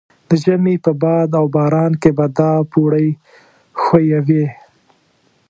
د ژمي په باد و باران کې به دا پوړۍ ښویې وې.